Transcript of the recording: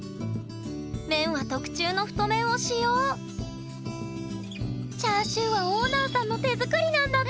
麺は特注の太麺を使用チャーシューはオーナーさんの手作りなんだって！